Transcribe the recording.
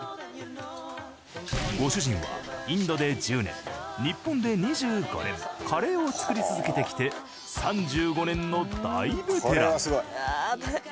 ご主人はインドで１０年日本で２５年カレーを作り続けてきて３５年の大ベテラン。